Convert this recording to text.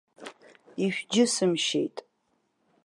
Ишәџьысымшьеит!